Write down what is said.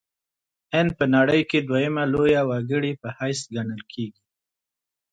هند په نړۍ کې دویمه لویه وګړې په حیث ګڼل کیږي.